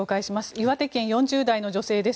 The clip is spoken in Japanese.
岩手県、４０代の女性です。